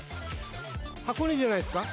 箱根じゃないですか？